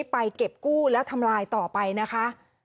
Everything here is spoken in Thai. ไปเก็บกู้แล้วทำลายต่อไปนะคะ